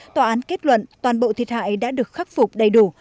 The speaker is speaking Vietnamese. tòa án kết luận toàn bộ thiệt hại đã được khắc phục đầy đủ